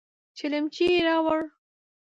چلمچي يې راووړ.